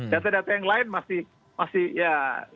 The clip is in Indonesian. data data yang lain masih ya